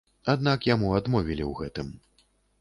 Аднак яму адмовілі ў гэтым.